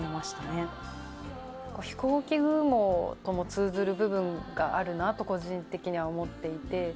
『ひこうき雲』とも通ずる部分があるなと個人的には思っていて。